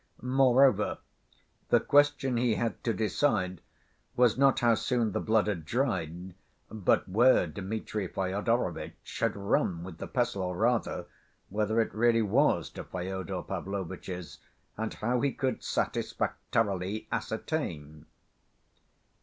Moreover, the question he had to decide was not how soon the blood had dried, but where Dmitri Fyodorovitch had run with the pestle, or rather, whether it really was to Fyodor Pavlovitch's, and how he could satisfactorily ascertain.